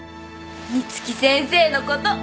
美月先生のこと。